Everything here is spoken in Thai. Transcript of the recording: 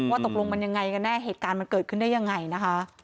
ตกลงมันยังไงกันแน่เหตุการณ์มันเกิดขึ้นได้ยังไงนะคะ